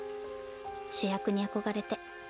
主役に憧れて。